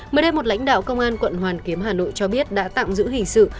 mới đây một lãnh đạo công an quận hoàn kiếm hà nội cho biết đã tạm giữ hình sự